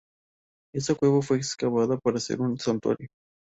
Esta cueva fue excavada para ser un santuario.